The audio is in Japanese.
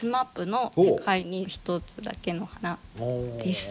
ＳＭＡＰの「世界に一つだけの花」です。